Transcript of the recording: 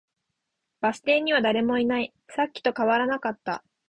バス停には誰もいない。さっきと変わらなかった。